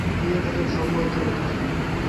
ائيٚݩ جڏهيݩ سُوڀو ٿئي دو